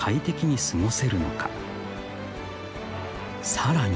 ［さらに］